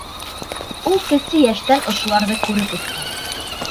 Ул кесе йәштән ошоларҙы күреп үҫкән.